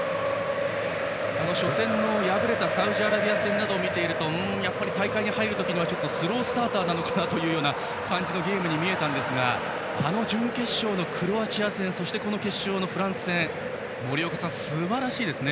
初戦、敗れたサウジアラビア戦などを見るとやっぱり大会に入る時にはスロースターターなのかなという感じのゲームに見えましたがあの準決勝のクロアチア戦そして決勝のフランス戦森岡さん、すばらしいですね。